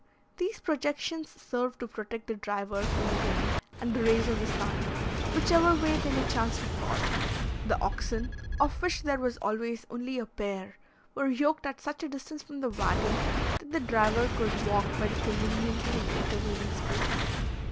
These projections serve to protect the driver from the rain and the rays of the sun, whichever way they may chance to fall. The oxen, of which there was always only a pair, were yoked at such a distance from the waggon, that the driver could walk very conveniently in the intervening space.